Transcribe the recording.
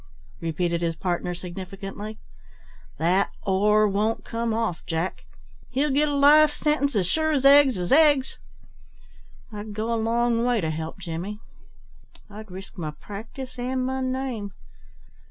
repeated his partner significantly. "That 'or' won't come off, Jack. He'll get a life sentence as sure as 'eggs is eggs.' I'd go a long way to help Jimmy; I'd risk my practice and my name."